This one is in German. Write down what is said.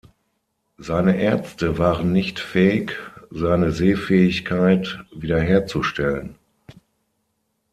Seine Ärzte waren nicht fähig seine Sehfähigkeit wiederherzustellen.